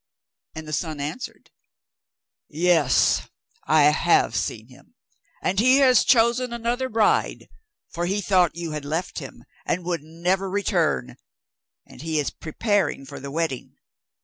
And the sun answered, 'Yes, I have seen him, and he has chosen another bride, for he thought you had left him, and would never return, and he is preparing for the wedding.